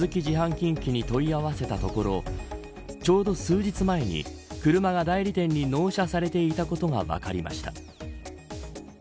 近畿に問い合わせたところちょうど数日前に車が代理店に納車されていたことが分かりました。